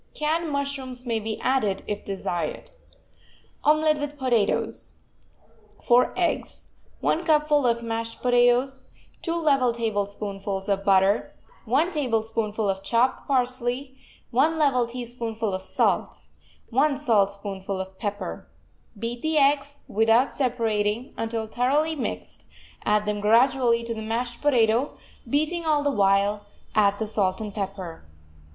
Canned mushrooms may be added, if desired. OMELET WITH POTATOES 4 eggs 1 cupful of mashed potatoes 2 level tablespoonfuls of butter 1 tablespoonful of chopped parsley 1 level teaspoonful of salt 1 saltspoonful of pepper Beat the eggs, without separating, until thoroughly mixed; add them gradually to the mashed potato, beating all the while; add the salt and pepper.